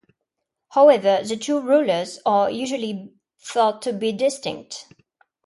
However, the two rulers are usually thought to be distinct.